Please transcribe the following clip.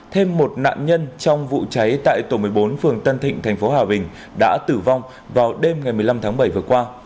thêm một nạn nhân trong vụ cháy tại tổ một mươi bốn phường tân thịnh tp hòa bình đã tử vong vào đêm ngày một mươi năm tháng bảy vừa qua